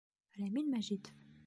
Рәмил МӘЖИТОВ: